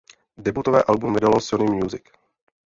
Debutové album vydalo Sony Music.